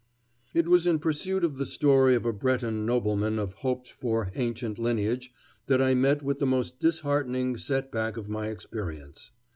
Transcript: It was in pursuit of the story of a Breton nobleman of hoped for ancient lineage that I met with the most disheartening set back of my experience.